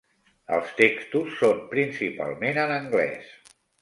Els textos són principalment en anglès.